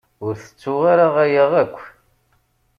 Ur tettuɣ ara aya akk.